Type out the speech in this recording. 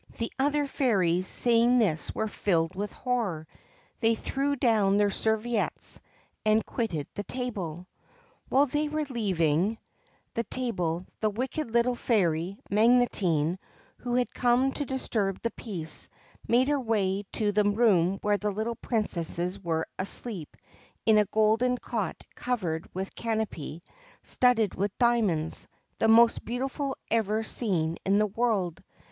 The other fairies, seeing this, were filled with horror ; they threw down their serviettes and quitted the table. While they were leaving the table the wicked little fairy Magotine, who had come to disturb the peace, made her way to the room where the little Princesses were asleep in a golden cot covered with a canopy studded with diamonds, the most beautiful ever seen in the world.